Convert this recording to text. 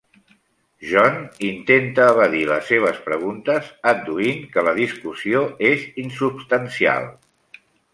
John intenta evadir les seves preguntes adduint que la discussió és insubstancial.